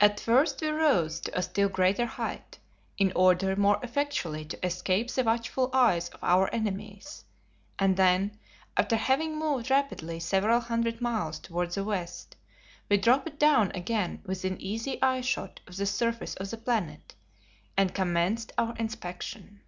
At first we rose to a still greater height, in order more effectually to escape the watchful eyes of our enemies, and then, after having moved rapidly several hundred miles toward the west, we dropped down again within easy eyeshot of the surface of the planet, and commenced our inspection.